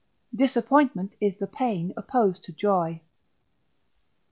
Disappointment is the Pain opposed to Joy.